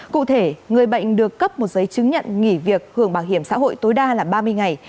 cụ thể người bệnh được cấp một giấy chứng nhận nghỉ việc hưởng bảo hiểm xã hội tối đa là ba mươi ngày